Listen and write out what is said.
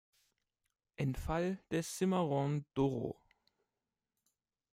Entfall des Cimarron d’Oro.